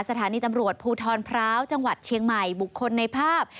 สถานีตำรวจภูทรพร้าวจังหวัดเชียงใหม่บุคคลในภาพ